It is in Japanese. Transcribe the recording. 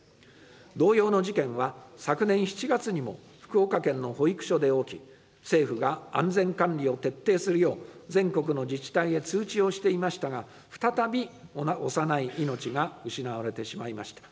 同様の事件は昨年７月にも福岡県の保育所で起き、政府が安全管理を徹底するよう、全国の自治体へ通知をしていましたが、再び幼い命が失われてしまいました。